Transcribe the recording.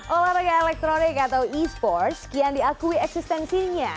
olahraga elektronik atau e sports kian diakui eksistensinya